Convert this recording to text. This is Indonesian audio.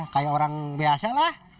kayak orang biasa lah